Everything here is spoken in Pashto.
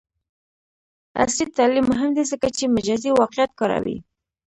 عصري تعلیم مهم دی ځکه چې مجازی واقعیت کاروي.